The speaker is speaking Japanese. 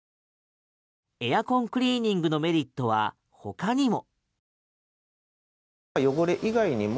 エアコンクリーニングのメリットはほかにも。